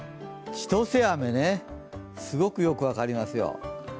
ちとせあめね、すごくよく分かりますよ。